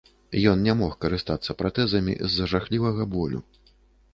Ён не мог карыстацца пратэзамі з-за жахлівага болю.